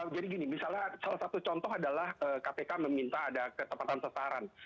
jadi gini misalnya salah satu contoh adalah kpk meminta ada ketepatan sasaran